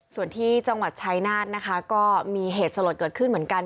ส่วนที่จังหวัดชายนาฏนะคะก็มีเหตุสลดเกิดขึ้นเหมือนกัน